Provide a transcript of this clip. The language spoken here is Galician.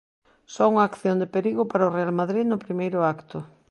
Só unha acción de perigo para o Real Madrid no primeiro acto.